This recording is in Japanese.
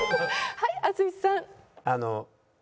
はい淳さん。